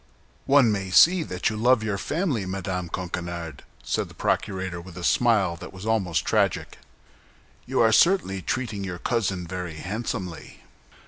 "One may see that you love your family, Madame Coquenard," said the procurator, with a smile that was almost tragic. "You are certainly treating your cousin very handsomely!"